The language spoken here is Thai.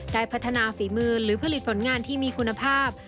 ได้พัฒนาฝีมือหรือผลิตผลงานที่มีคุณภาพ